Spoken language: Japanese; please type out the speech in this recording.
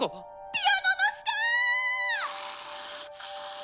ピアノの下！